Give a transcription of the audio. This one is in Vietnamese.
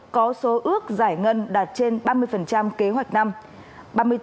có số ước giải ngân đạt trên ba mươi kế hoạch năm